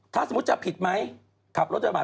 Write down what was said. ถ้าสมมติจะผิดไหมขับรถไอ้บ้าน